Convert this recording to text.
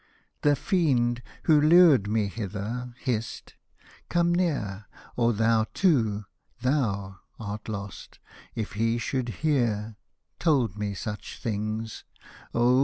The fiend, who lured me hither — hist ! come near, Or thou too, thou art lost, if he should hear — Told me such things — oh